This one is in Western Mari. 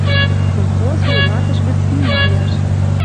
Колхоз вуйлатыш гӹц снимаяш